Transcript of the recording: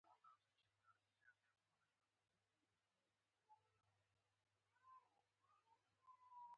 سبا اسمان روښانه کیږي